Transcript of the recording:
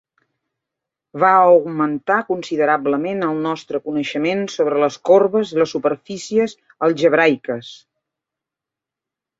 Va augmentar considerablement el nostre coneixement sobre les corbes i les superfícies algebraiques.